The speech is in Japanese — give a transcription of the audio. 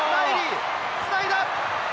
つないだ！